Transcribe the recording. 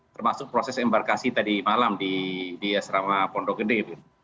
termasuk proses embarkasi tadi malam di asrama pondok gede